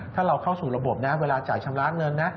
ถ้าเราเข้าสู่ระบบนะเวลาจ่ายชำระเงินนะ